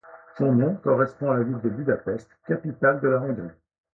Son nom correspond à la ville de Budapest, capitale de la Hongrie.